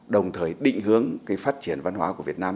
đồng thời định hướng phát triển văn hóa của việt nam